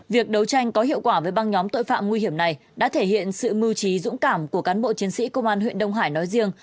việc đấu tranh có hiệu quả với băng nhóm tội phạm nguy hiểm này đã thể hiện sự mưu trí dũng cảm của cán bộ chiến sĩ công an huyện đông hải nói riêng